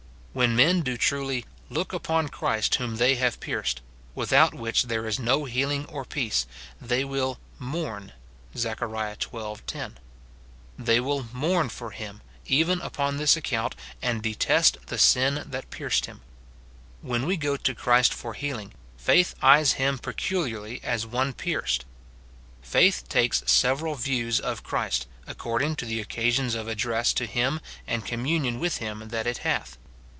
When men do truly "look upon Christ whom they have pierced," without which there is no healing or peace, they will " mourn," Zech. xii. 10 ; they will mourn for him, even upon this account, and detest the sin that pierced him. When we go to Christ for healing, faith eyes him pecu liarly as one pierced. Faith takes several views of Christ, according to the occasions of address to him and communion with him that it hath.